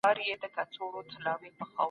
صنعتي ټولني په چټکۍ منځ ته راغلې.